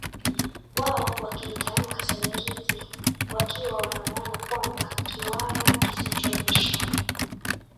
Wao wakiitamka Serengiti wakiwa na maana kwamba Kiwara kisichoisha